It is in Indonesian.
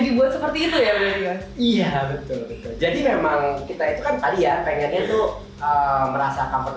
dibuat seperti itu ya iya betul betul jadi memang kita itu kan tadi ya pengennya tuh merasa comfort